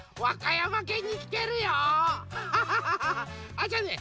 あっじゃあね